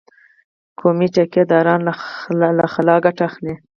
قومي ټيکه داران له خلا ګټه اخلي.